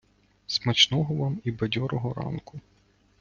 Смачного вам і бадьорого ранку!